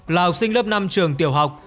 là học sinh lớp năm trường tiểu học